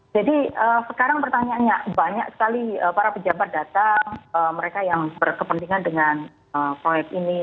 jadi sekarang pertanyaannya banyak sekali para pejabat datang mereka yang berkepentingan dengan proyek ini